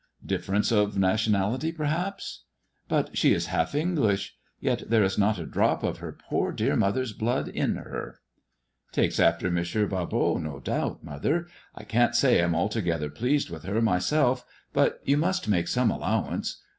" Difference of nationality, perhaps." " But she is half English. Yet there is not a drop of her poor dear mother's blood in her." " Takes after M. Barbot, no doubt, mother ; I can't say I'm altogether pleased with her myself. But you must make some allowance.